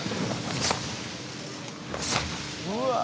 うわ！